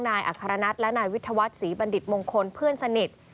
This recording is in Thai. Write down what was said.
นายอัครนัทและนายวิทยาวัตรศรีบรรดิษฐ์มงคลเพื่อนสนิท